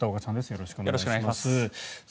よろしくお願いします。